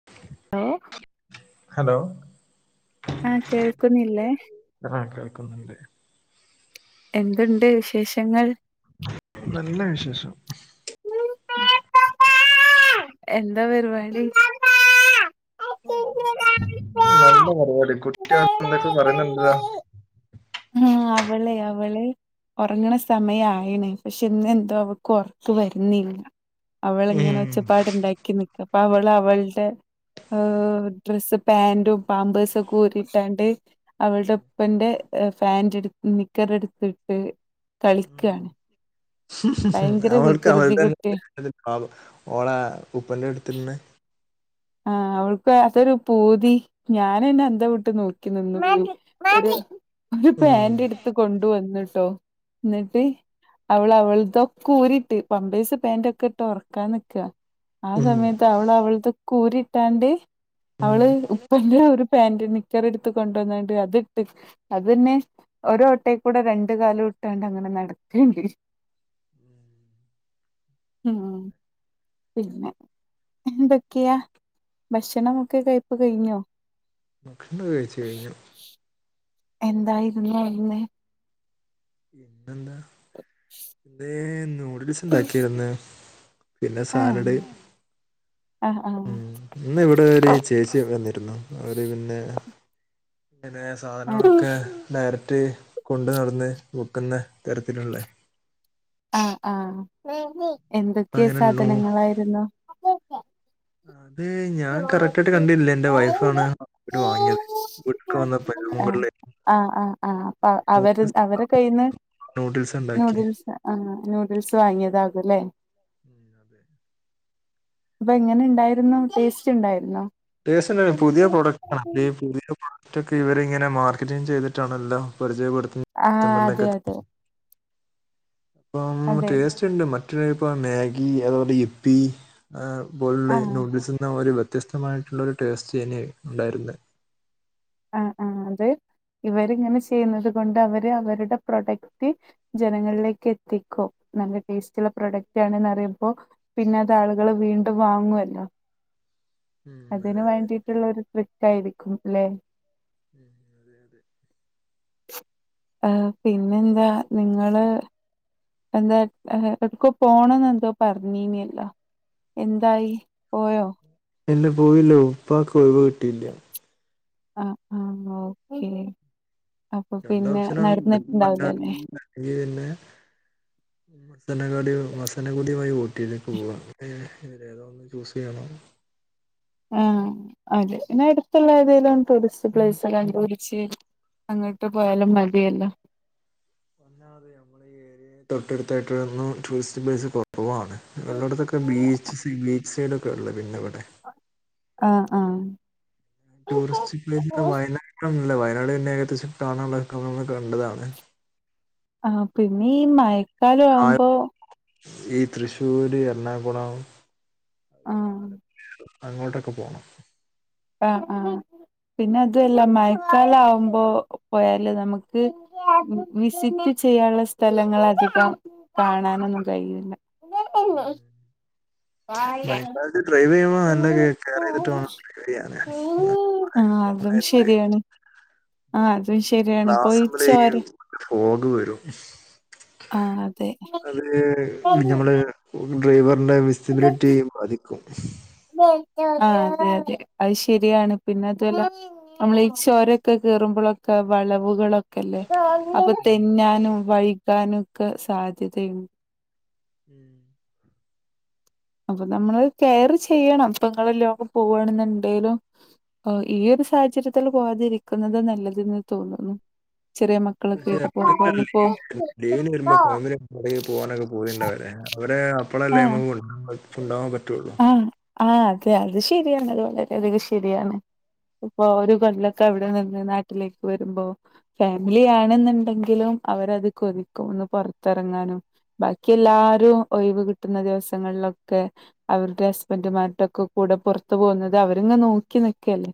[inaudible] ഏഹ് hello.. ആഹ് കേൾക്കുന്നില്ലേ? ആഹാ കേൾക്കുന്നുണ്ട്. എന്തുണ്ട് വിശേഷങ്ങൾ? നല്ല വിശേഷം. എന്താപരുപാടി? നല്ല പരുപാടി കുട്ട്യവ്ട്ന്ന് ന്തൊക്കെ പറയുന്നുണ്ടല്ലോ ആഹ് അവളെ അവള് ഒറങ്ണ സമയായിണ് പക്ഷെ ഇന്നേ ന്തോ അവൾക്ക് ഒറക്ക് വരുന്നില്ല. അവള്ങ്ങനെ ഒച്ചപ്പാട്ണ്ടാക്കി നിക്കാ അപ്പവള് അവൾടെ ഹാ ഡ്രസ്സ് പാന്റും പാമ്പേഴ്സൊക്കെഊരിട്ടാണ്ട് അവൾടെ ഉപ്പന്റെ എ ഫാന്റെട്ത് നിക്കറെടുത്തിട്ട് കളിക്കാണ് ഭയങ്കര അവൾക്ക് അവൾടെ വികൃതി കുട്ടിയ തന്നെ' [inaudible] ' ഓളെ ഉപ്പുപ്പന്റെടുത്തിന്ന് ആഹ്, അവൾക്ക് അതൊരു പൂതി. ഞാനെന്നെ അന്തം വിട്ട് നോക്കി നിന്നു. ഒര് ഒരു പാന്റ്ട്ത്ത് കൊണ്ടു വന്ന്ട്ടോ, ന്ന്ട്ട് അവള് അവൾതൊക്കൂരിട്ട്. പമ്പേഴ്സ് പാന്റൊക്കെട്ട് ഒറക്കാൻനിക്കാ. ആ സമയത്ത് അവൾ, അവൾതൊക്കെ ഊരിട്ടാണ്ട്, അവള് ഉപ്പന്റെ ഒരു പാന്റ് നിക്കർ എടുത്ത് കൊണ്ടുവന്നാണ്ട് അത്ട്ട് അതെന്നെ, ഒരോട്ടേക്കൂടെ രണ്ട് കാലൂട്ടാണ്ടങ്ങനെ നടക്ക്ണ്ട്. ഉം, പിന്നെ! എന്തൊക്കെയാ ഭക്ഷണമൊക്കെ കയപ്പ് കഴിഞ്ഞോ? ണ്ണ് കഴിച്ച് കഴിഞ്ഞ എന്തായിരുന്നു ഇന്ന്. പിന്നെന്താ, ന്തേ നൂഡിൽസ് ഉണ്ടാക്കായിരുന്നു. പിന്നെ സാലഡ്. ആഹ് ആഹ് ഉം ആഹ് ഇന്ന് ഇവിടെ ഒരു ചേച്ചി വന്നിരുന്നു, അവര് പിന്നെ ഹ് [unintelligible] സാധനങ്ങളൊക്കെ ഡയറക്ട് കൊണ്ട് നടന്ന് വിക്കുന്നെ തെരത്തിലുള്ളേ ആഹ്, ആഹ് എന്തൊക്കെ അങ്ങനെ നോ സാധനങ്ങളായിരുന്നു. അത് ഞാൻ കറക്റ്റായിട്ട് കണ്ടില്ല്യ. ന്റെ വൈഫാണ് [unintelligible] യിട്ട് വാങ്ങിയത്. ക്ക് വന്ന പേ' ' [unintelligible] ആഹ് ആഹ് ആഹ് അപ്പ അവര് അവരെ കയ്യിന്ന് നൂഡിൽസ്ണ്ടാക്കി. നൂഡിൽസ് ആഹ്, നൂഡിൽസ് വാങ്ങിയതാകുല്ലേ. ദെങ്ങനെണ്ടായിരുന്നു, ടേസ്റ്റ്ണ്ടായിര്ന്നോ? ടേസ്റ്റെന്താറിയോ പുതിയ പ്രോഡക്ടാടാ, [unintelligible] പുതിയ പ്രോഡക് ഇതൊക്കെ ഇവരിങ്ങനെ മാർക്കറ്റിംഗ് ചെയ്തിട്ടാണ് എല്ലാം പരിചയപ്പെടുത്തുന്നത്. ആഹ്, അതെ കസ്റ്റമറിനൊക്കെ അതെ. ഇപ്പം അതെ ടേസ്റ്റ് ഉണ്ട്, മറ്റൊരു ടൈപ്പ് മാഗ്ഗി അതുപോലെ യിപ്പി ആഹ്' ആഹ് [unintelligible] 'നൂഡിൽസ്ൻ്റെ മായിരി വ്യത്യസ്തമായിട്ടുള്ളൊരു ടേസ്റ്റേനി അഅ് ഉണ്ടായിരുന്നെ. ആഹ് ആഹ് അത് ഇവരിങ്ങനെ ചെയ്യുന്നത് കൊണ്ട് അവര് അവരുടെ പ്രൊഡക്റ്റ് ജനങ്ങൾലേക്ക് എത്തിക്കും. നല്ല ടേസ്റ്റ്ള്ള പ്രൊഡക്റ്റ് ആണെന്നറിയുമ്പോ പിന്നതാളുകള് വീണ്ടും വാങ്ങുവല്ലോ. [inaudible] അതെ അതിന് അതെ വേണ്ടീട്ട്ള്ളൊരു ട്രിക്കായിരിക്കും. ല്ലേ? [inaudible] ആഹ്, പിന്നെന്താ നിങ്ങള്. എന്താ ഹെ എട്ക്കോ പോണംന്നെന്തോ പറഞ്ഞീന്യല്ലോ? എന്തായി, പോയോ? ഇല്ല, പോയില്ല. ഉപ്പാക്ക് ഒഴിവ് കിട്ടീല്ല്യ. ആഹ് ആഹ് ഓക്കെ അപ്പൊ രണ്ട് പിന്നെ ഓപ്ഷനാണ് ഉള്ളത്. വയനാട് നടന്നിട്ടുണ്ടാവില്ലല്ലെ. പോവാ, പിന്നെ, മസനകുടി മസനകുടി വഴി ഊ ട്ടിലേക്ക് പോവാ ഇതിലേതോ ഒന്ന് ചൂസ് ചെയ്യണം. ആഹ് അതെ, ന്നാ അടുത്തുള്ള ഏതെലും ടൂറിസ്റ്റ് പ്ലേസ്ല് കണ്ട് പിടിച്ച് അങ്ങോട്ട് പോയാലും മതിയല്ലോ. ന്താറിയോ അമ്മളെ ഈ ഏരിയയില് തൊട്ടടുത്തായിട്ടൊന്നും ടൂറിസ്റ്റ് പ്ലേസ് കൊറ പോവാണ്, ഉള്ളടത്തൊക്കെ ബീച്ച് സി ബീച്ച് സൈഡൊക്കെള്ളത് പിന്നെ വടെ. ആഹ്, ആഹ്. ടൂറിസ്റ്റ് പ്ലേസ് വയനാടൊന്നല്ല, വയനാട് പിന്നെ ഏകദേശം കാണാനുള്ളത് ഒക്കെ നമ്മള് കണ്ടതാണ്. ആഹ് പിന്നെ ഈ മഴക്കാല ആ- ആവുമ്പോ ഈ തൃശ്ശൂര്, എർണാകുളം. ആഹ് അങ്ങോട്ടൊക്കെ പോണം. ആഹ് ആഹ് പിന്നെ അതുമല്ല മഴക്കാലം ആവുമ്പോ പോയാൽ നമുക്ക്. വിസിറ്റ് ചെയ്യാനുള്ള സ്ഥലങ്ങൾ അധികം കാണാനൊന്നും കഴിയില്ല. [unintelligible] മഴക്കാലത്ത് ഡ്രൈവ് ചെയ്യു ആഹ് നല്ല കെയർ ചെയ്തിട്ട് വേണം ആഹ് അതും മഴയത്ത് ശരിയാണ് ആഹ് അതും ശരിയാണ് ഇപ്പൊ ഈ ഗ്ലാസ്സ്‌മ്മെല് ചോര ഏരിയെല് ഫോഗ് വരും. ആഹ് അത് അതെ ഞമ്മള്. ഒരു ഡ്രൈവറിന്റെ വിസിലിബിറ്റിയേ ബാധിക്കും. ആ അതെ അതെ അത് ശെരിയാണ് പിന്നെ അതു അല്ല. നമ്മൾ ഈ ചൊരൊക്കെ കേറുമ്പോളൊക്കെ വളവുകളൊ ക്കല്ലേ അപ്പൊ ഉം തിന്നാനും വൈകാനും ഒക്കെ സാധ്യതയുണ്ട്. ഉം അപ്പൊ നമ്മള് കെയർ ചെയ്യണം അപ്പൊങ്ങളെ ലോങ്ങ് പോവാണന്ന് ഉണ്ടേലും ആ ഈ ഉം. ഒരു സാഹചര്യത്തിൽ പോവാതിരിക്കുന്നത് നല്ലതെന്ന് തോന്നുന്നു ചെറിയ മക്ക [unintelligible] ടെല് വരുമ്പോ ഫാമിലി എവിടേലും പോകാനൊക്കെ പൂതിണ്ടാവൂലെ.. അവര് ആ അപ്പോളല്ലേ നമ്മക്ക് കൊണ്ടാകാൻ പറ്റുവുള്ളു. ആ ആ അതെ അത് ശരിയാണ് [unintelligible] അത് ശരിയാണ്. ഇപ്പൊ ഒരു കൊല്ലൊക്കെ അവിടെ നിന്ന് നാട്ടിലേക്ക് വരുമ്പോ. ഫാമിലി ആണെന്നുണ്ടെങ്കിലും അവരത് കൊതിക്കും ഒന്ന് പുറത്തിറങ്ങാനും. ബാക്കിയെല്ലാരും ഒഴിവ് കിട്ടുന്ന ദിവസങ്ങളിലൊക്കെ. അവരുടെ ഹസ്ബന്റുമാരുട്ടൊക്കെ കൂടെ പുറത്തു പോകുന്നത് അവരിങ്ങനെ നോക്കി നിക്കല്ലേ.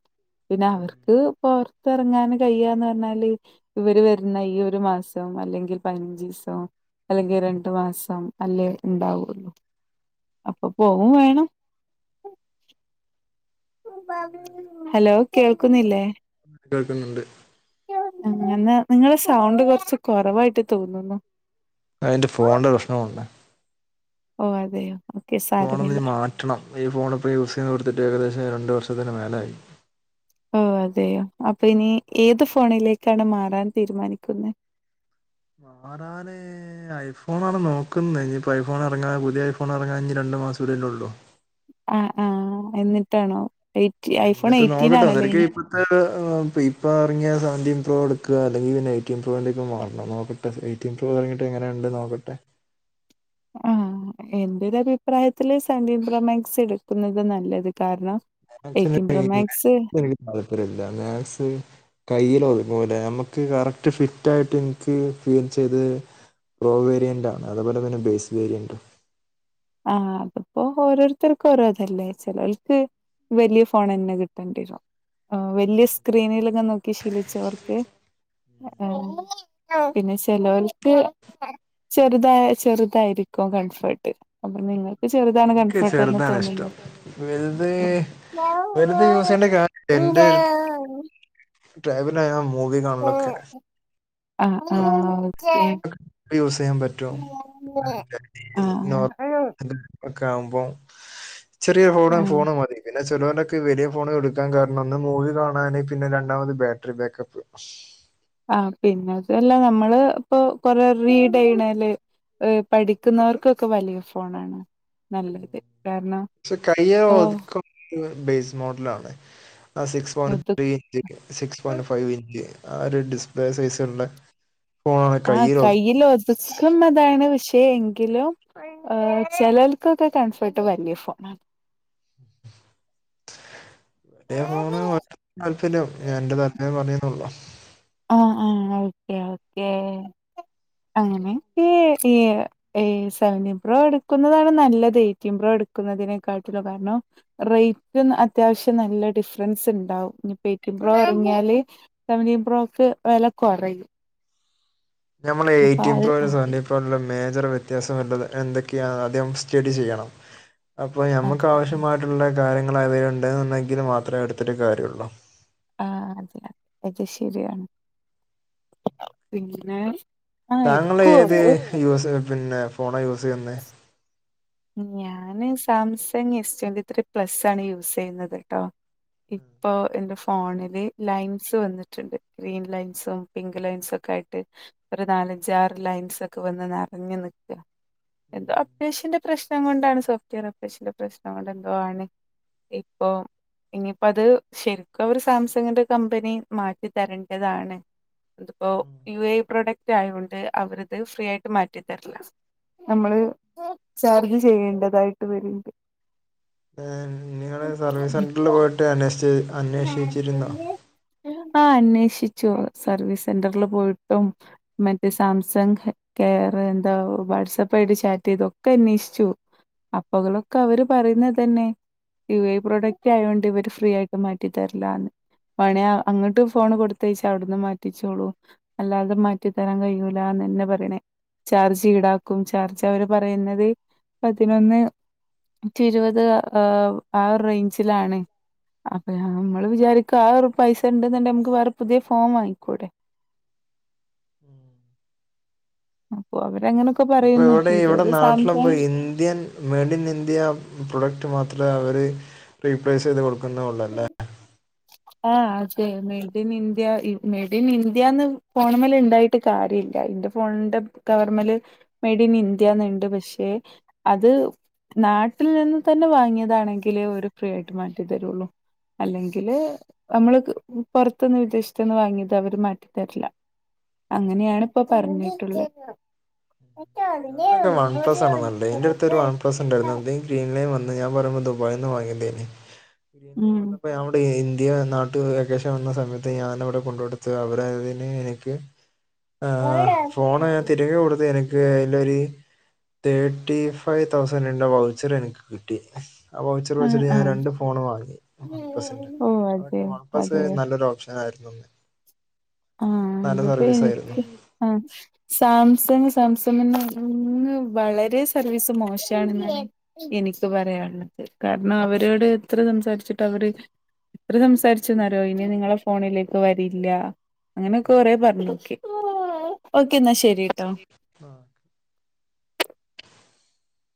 പിന്നെ ഉം അവർക്ക് പൊർത്തറങ്ങാൻ കയ്യാന്ന് പറഞ്ഞാല്. ഇവര് വരുന്ന ഈ ഒരു മാസം അല്ലെങ്കിൽ പയിനഞ്ചിസം അല്ലെങ്കിൽ രണ്ടു മാസം അല്ലേ ഉണ്ടാവുള്ളു അപ്പൊ പോകും വേണം. അതെ അതെ. ഹലോ കേൾക്കുന്നില്ലേ? കേൾക്കുന്നുണ്ട്. അങ്ങനെ നിങ്ങള് സൗണ്ട് കുറച്ച് കൊറവായിട്ട് തോന്നുന്നു. അതെന്റെ ഫോണൻ്റെ പ്രശ്നം കൊണ്ട ഓ അതെയോ? ഓക്കെ ഫോൺ ഒന്ന് സാരമില്ല മാറ്റണം. ഈ ഫോണിപോൾ യൂസ് ചെയ്തു കൊടുത്തിട്ട് ഏകദേശം രണ്ടു വർഷത്തിന്റെ മേലെ ആയി. ഓ അതെയോ. അപ്പൊ ഇനി ഏത് ഫോണിലേക്കാണ് മാറാൻ തീരുമാനിക്കുന്നെ. മാറാനേ. ഏ ഐഫോൺ ആണ് നോക്കുന്നത്. ഇനിയിപ്പ ഐഫോൺ ഇറങ്ങാൻ പുതിയ ഐ ഫോൺ ഇറങ്ങാ ഇനി രണ്ടു മാസം കൂടി ഉള്ളു. ആഹ് ആ എന്നിട്ടാണോ. എയ്‌റ്റിൻ ഐഫോൺ എയ്റ്റീൻ ആണല്ലേ. ഇപ്പ എറങ്ങിയ സേവ്ന്റീൻ പ്രൊ എടുക്കുക. അല്ലെങ്കിൽ പിന്നെ എയടീൻ പ്രൊ യിലെക്ക് മാറണം. ഇപ്പോ എയ്റ്റിൻ പ്രൊ ഇറങ്ങിട്ട്ങ്ങനെ ഉണ്ട് നോക്കട്ടെ. ആഹ്.. എന്റെ ഒരു അഭിപ്രായത്തില് സെവെന്റി പ്രൊമാക്സ് എടുക്കുന്നത് നല്ലത് കാരണം. Eighteen pro max. താല്പര്യ ഇല്ല മാത്‍സ് കയ്യില് ഒതുങ്ങുല. നമ്മുക്ക് കറക്റ്റ് ഫിറ്റ് ആയിട്ട് എനിക്ക് ചെയ്ത്. പ്രോ വേരിയൻറാ അതുപോലെ തന്നെ ബേസ് വേരിയൻറ്. ആഹ അതിപ്പോ ഓരോരുത്തർക്കും ഓരോതല്ലേ ചിലർക്ക്. വലിയ ഫോൺ തന്നെ കിട്ടേണ്ടി വരും. ആ വലിയ സ്ക്രീനിൽലൊക്കെ നോക്കി ശീലിച്ചവർക്ക്. പിന്നെ ചെലോൽക്ക്. ചെറുത ചെറുതായിരിക്കും കംഫർട്ട്. അപ്പൊ നിങ്ങൾ ചെറുതാണ് എനിക്ക് കംഫർട്ട് എന്ന് ചെറുതാണ് തോന്നുന്നു. ഇഷ്ടം വലുത് ആ വലുത് യൂസ് ചെയ്യേണ്ട കാര്യ ഇങ്ങ എന്റെ [unintelligible] [unintelligible] മൂവി കാണലൊക്കെ. ആഹ്. അപ്പ ആഹ്... [unintelligible] യൂസ് ചെയ്യാൻ പറ്റും ആഹ് [unintelligible] ഒക്കെ ആവുമ്പോം ചെറിയ ഫോണും ആഹ് ഫോണ് മതി. പിന്നെ ചെലോനൊക്ക വലിയ ഫോൺ എടുക്കാൻ കാരണം ഒന്ന് മൂവി കാണാന് പിന്നെ രണ്ടാമത് ബാറ്ററി ബേക്കപ്പ്. ആഹ് പിന്നെ അതുവല്ല നമ്മള് ഇപ്പൊ കൊറേ റീഡ് ചെയ്യണേല് ഏഹ് പഠിക്കുന്നവർക്കൊക്കെ വലിയ ഫോണാണ്. നല്ലത് കാരണോം പക്ഷെ കയ്യേ ഒതുക്കം ബേസ് മോഡലാണേ ആ സിക്സ് പോണ് ഒതു free hit six point five inch ആ ഒരു ഡിസ്പ്ലേ സൈസ്ള്ളെ ആഹ് കയ്യിലൊതുക്കം അതാണ് പക്ഷെ എങ്കിലും ഏഹ് ചെലൽക്കൊക്കെ കൺഫർട്ട് വല്യ ഫോണാണ്‌ പുതിയ ഫോണ് [unintelligible] താല്പര്യം ഞാൻ ഇന്റെ താല്പര്യം പറഞ്ഞന്നേ ഒള്ളു ആഹ് ആഹ് ഓക്കേ ഓക്കേ അങ്ങനെക്കെ ഈ ഏഹ് സെവന്റീൻ പ്രോ എടുക്കുന്നതാണ് നല്ലത് എയ്റ്റീൻ പ്രോ എടുക്കുന്നതിനെക്കാട്ടിലും കാരണം റേയ്റ്റും അത്യാവശ്യം നല്ല ഡിഫറൻസ് ഇണ്ടാവും ഇനിപ്പോ എയ്റ്റീൻപ്രോ ഇറങ്ങിയാല് സെവന്റീൻ പ്രോക്ക് വെലക്കൊറയും. അത് ഞമ്മളെയ്റ്റീൻപ്രൊയ്ടെ സെവറ്റീൻത് പ്പോള്ള മേജർ വ്യത്യാസം ഒള്ളത് എന്തൊക്കെയാ ആദ്യം സ്റ്റഡി ചെയ്യണം. അപ്പൊ ഞമ്മുക്ക് അതെ ആവശ്യമായിട്ടുള്ള കാര്യങ്ങള് അവയിലിണ്ട് ഇന്നെണ്ടെങ്കിൽ മാത്രേ എടുത്തിട്ട് കാര്യോള്ളൂ ആഹ് അതെയ അത് ശരിയാണ് പിന്നേ താങ്കൾ ഏത് യൂസ് പിന്നെ ഫോണാ യൂസ് ചെയ്യ്ന്നേ ഞാന് Samsung S twenty three plus ആണ് യൂസ് ചെയ്യുന്നത് ട്ടോ അഹ ഇപ്പൊ എന്റെ ഫോണില് ലൈൻസ് വന്നിട്ട്ണ്ട് ഗ്രീൻ ലൈൻസും പിങ്ക് ലൈൻസ് ഒക്കെ ആയിട്ട് ഒരു നാലഞ്ചാറ് ലൈൻസ് ഒക്കെ വന്ന് നറഞ്ഞു നിക്കാ എന്തോ അപ്ഡേഷന്റെ പ്രശ്നം കൊണ്ടാണ് സോഫറ്റ് വെയർ അപ്ഡേഷന്റെ പ്രശ്നം കൊണ്ട് എന്തോ ആണ്. ഇപ്പോം ഇനിയിപ്പത് ശരിക്കും അവര് സാംസങ്ങിന്റെ കമ്പനി മാറ്റിതരേണ്ടതാണ്. ഇതിപ്പോ യു എ ഇ പ്രൊഡക്റ്റ് ആയോണ്ട് അവരത് ഫ്രീ ആയിട്ട് മാറ്റി തരില്ല. നമ്മള് ചാർജ് ചെയ്യേണ്ടതായിട്ട് വരും ഇത്‌ ഏഹ് നിങ്ങള് സർവീസ് സെന്ററിൽ പോയിട്ട് അന്വേഷിച്ച് അന്വേഷിച്ചിരുന്നോ ആഹ് അന്വേഷിച്ചു. സർവീസ് സെന്ററിൽ പോയിട്ടും മറ്റേ സാംസങ് കേറ് എന്താവു വാട്സാപ്പ് ആയിട്ട് ചാറ്റ് ചെയ്തു ഒക്കെ അന്വേഷ്ച്ചു അപ്പകളൊക്കെ അവര് പറയുന്നത് തന്നെ യു ഐ പ്രൊഡക്റ്റ് ആയോണ്ട് ഇവര് ഫ്രീ ആയി മാറ്റിതരിലാന്ന് വേണേ അങ്ങട്ട് ഫോൺ കൊടുത്തയച്ച് അവിടുന്ന് മാറ്റിച്ചോളു അല്ലാതെ മാറ്റിത്തരാൻ കഴിയൂലന്നെന്നെ പറയണേ ചാർജ് ഈടാക്കും ചാർജ് അവര് പറയുന്നത് പതിനൊന്ന് നൂറ്റി ഇരുപത് ആഹ് ആ ഒരു റേഞ്ചിലാണ്. അപ്പ ഞമ്മള് വിചാരിക്കും ആ ഒരു പൈസ ഇണ്ടെന്നെണ്ട നമുക്ക് വേറെ പുതിയ ഫോൺ വാങ്ങിക്കൂടെ അപ്പൊ അവരങ്ങനൊക്കെ അപ്പൊ പറയുന്നു ഇവിടെ ഇവിടെ ഇതൊരു നാട്ടിലപ്പോ Samsung Indian made in India product മാത്രമേ അവര് റീപ്ലേസ് ചെയ്ത് കൊടുക്കുന്നൊള്ളല്ലെ ആഹ് അതെ made in India made in ഇന്ത്യന്ന് ഫോണമ്മലെണ്ടായി ട്ട് കാര്യവില്ല ഇന്റെ ഫോണിന്റെ കവർമ്മല് മെയ്ഡ് ഇൻ ഇന്ത്യന്നിണ്ട് പക്ഷെ അത് നാട്ടിൽ നിന്ന് തന്നെ വാങ്ങിയതാണെങ്കിലേ ഓര് ഫ്രീ ആയിട്ട് മാറ്റിത്തരൊള്ളു. അല്ലെങ്കില് നമ്മള് പൊർത്തന്ന് വിദേശത്ത്ന്ന് വാങ്ങിയത് അവര് മാറ്റിത്തരില്ല. അങ്ങനെയാണ് ഇപ്പൊ പറഞ്ഞിട്ടുള്ള അതിനൊക്കെ വൺ പ്ലസ് ആണ് നല്ലെ ഇന്റെടുത്തൊരു വൺ പ്ലസ് ഇണ്ടായിരുന്നു അത് ഗ്രീൻലൈൻ വന്ന് ഞാ പറയുമ്പോ ദുബായിന്ന് വാങ്ങിന്തേനി ഗ്രീൻ ലൈൻ ഉം വന്നപ്പോ ഞാൻ പ്പ് ഇന്ത്യ നാട്ടി വെക്കേഷന് വന്ന സമയത്ത് ഞാൻ അവിടെ കൊണ്ടൊടുത്തു അവരതിന് എനിക്ക് ആഹ് ഫോണ് തിരികെ കൊടുത്ത് എനക്ക് ലൊരു തേർട്ടി ഫൈവ് തൗസന്റിന്റെ വൗച്ചർ എനിക്ക് കിട്ടി അ വൗച്ചർ വെച്ചിട്ട് ഞാൻ ആഹ് രണ്ട് ഫോൺ വാങ്ങി വൺ പ്ലസിന്റെ ഓ അതൊക്കെ അതെയോ വൺപ്ലസ് അതെയോ നല്ലൊരു ഓപ്ഷനാ ആയിരുന്നോന്ന് ആഹ് ഇതിപ്പോ ആയിരുന്നു എനിക്ക് ഓപ് സാംസങ് സാംസനിന്ന് വളരെ സർവീസ് മോശണ് ന്നാണ് എനിക്ക് പറയാള്ളത് കാരണം അവരോട് എത്ര സംസാരിച്ചിട്ട് അവര് എത്ര സംസാരിച്ചു ന്നറിയോ ഇനി നിങ്ങളെ ഫോണിലേക്ക് വരില്ല അങ്ങനോക്കെ ഉം. കോറേ പറഞ്ഞോക്കി ഓക്കേ ന്നാ ശരിട്ടോ ആഹ്